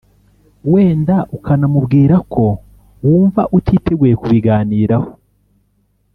wenda ukanamubwira ko wumva utiteguye kubiganiraho